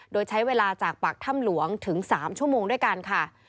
โดยใช้เวลาจากปากถ้ำหลวงถึง๓ชั่วโมงด้วยกันค่ะ